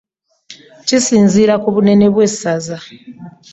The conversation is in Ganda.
Kisinziira ku bunene bw'essaza.